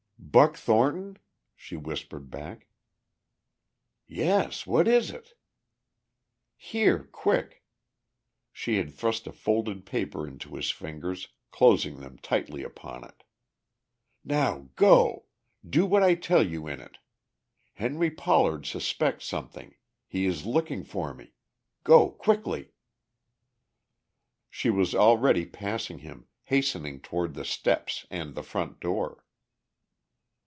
"Buck Thornton?" she whispered back. "Yes. What is it?" "Here. Quick!" She had thrust a folded paper into his fingers, closing them tightly upon it. "Now, go! Do what I tell you in it. Henry Pollard suspects something; he is looking for me. Go quickly!" She was already passing him, hastening toward the steps and the front door.